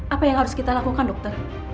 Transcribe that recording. apa yang harus kita lakukan dokter